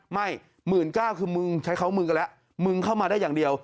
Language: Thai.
ไม่๑๙๐๐คือมึงใช้เขามึงกันแล้วมึงเข้ามาได้อย่างเดียว